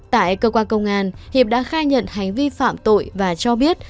tại cơ quan công an hiệp đã khai nhận hành vi phạm tội và cho biết